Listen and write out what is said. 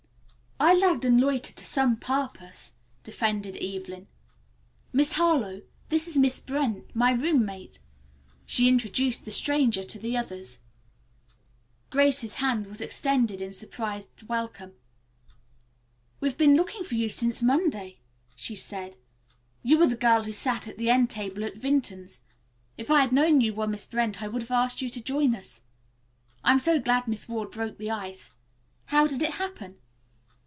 "I lagged and loitered to some purpose," defended Evelyn. "Miss Harlowe, this is Miss Brent, my roommate." She introduced the stranger to the others. Grace's hand was extended in surprised welcome. "We have been looking for you since Monday," she said. "You are the girl who sat at the end table at Vinton's. If I had known you were Miss Brent I would have asked you to join us. I am so glad Miss Ward broke the ice. How did it happen?"